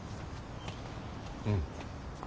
うん。